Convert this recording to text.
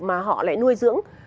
mà họ lại nuôi dưỡng